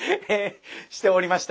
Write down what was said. しておりました。